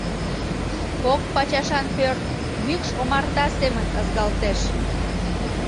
Кок пачашан пӧрт мӱкш омарта семын ызгалтеш.